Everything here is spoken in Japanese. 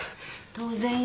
当然よ。